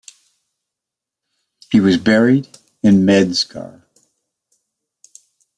He was buried in Medzkar.